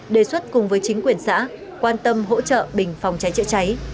đề xuất cùng với chính quyền xã quan tâm hỗ trợ bình phòng cháy chữa cháy